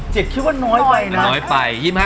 ๑๗คิดว่าน้อยไปนะ